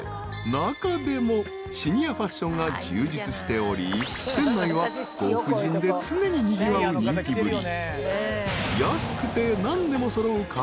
［中でもシニアファッションが充実しており店内はご婦人で常ににぎわう人気ぶり］